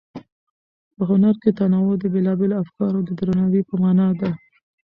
په هنر کې تنوع د بېلابېلو افکارو د درناوي په مانا ده.